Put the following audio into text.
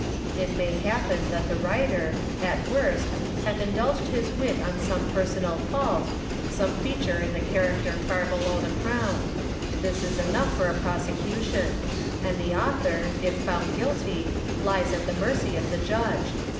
It may happen that the writer, at Avorst, hath indulged his wit on some personal fault, some feature in the character far below the crown : this is enough for a prosecution ; and the author, if found guilty, lies at the mei'cy of the judge.